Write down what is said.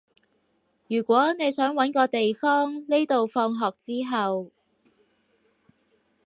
如果你想搵個地方匿到放學之後